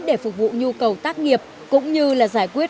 để phục vụ nhu cầu tác nghiệp cũng như là giải quyết